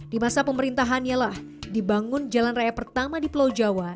di masa pemerintahannya lah dibangun jalan raya pertama di pulau jawa